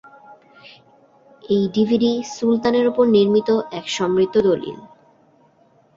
এই ডিভিডি সুলতানের ওপর নির্মিত এক সমৃদ্ধ দলিল।